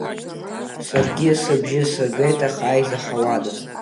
Саргьы сыбжьы сыргеит, аха изаҳауадаз!